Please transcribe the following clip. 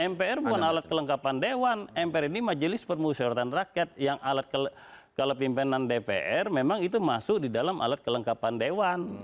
mpr bukan alat kelengkapan dewan mpr ini majelis permusyawaratan rakyat yang alat kalau pimpinan dpr memang itu masuk di dalam alat kelengkapan dewan